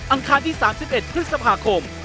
คารที่๓๑พฤษภาคม